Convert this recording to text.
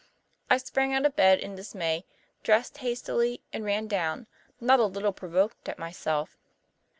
I sprang out of bed in dismay, dressed hastily, and ran down, not a little provoked at myself.